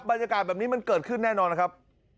บรรยากาศแบบนี้มันเกิดขึ้นแน่นอนนะครับ